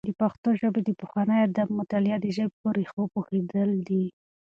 د پښتو ژبې د پخواني ادب مطالعه د ژبې په ريښو پوهېدل دي.